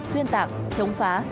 xuyên tạng chống phá